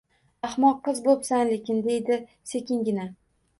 — Ahmoq qiz bo‘psan lekin, — deydi sekingina.